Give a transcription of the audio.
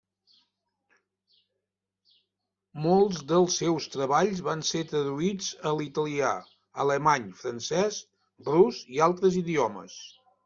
Molts dels seus treballs van ser traduïts a l'italià, alemany, francès, rus i altres idiomes.